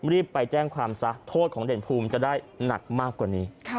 รีบไปแจ้งความซะโทษของเด่นภูมิจะได้หนักมากกว่านี้